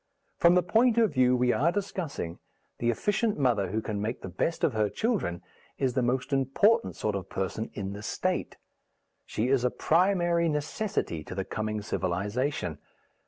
From the point of view we are discussing, the efficient mother who can make the best of her children, is the most important sort of person in the state. She is a primary necessity to the coming civilization.